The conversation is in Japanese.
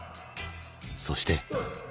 そして。